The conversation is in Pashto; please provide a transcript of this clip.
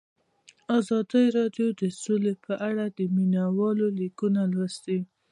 ازادي راډیو د سوله په اړه د مینه والو لیکونه لوستي.